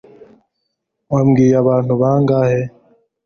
wabwiye abantu bangahe